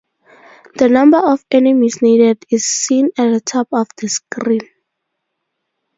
The number of enemies needed is seen at the top of the screen.